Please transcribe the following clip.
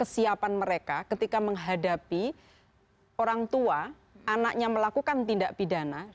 kesiapan mereka ketika menghadapi orang tua anaknya melakukan tindak pidana